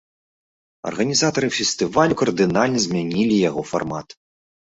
Арганізатары фестывалю кардынальна змянілі яго фармат.